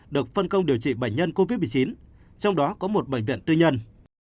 được phân công điều trị bệnh nhân covid một mươi chín trong đó có một bệnh viện tư nhân